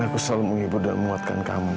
dan aku selalu menghibur dan memuatkan kamu mil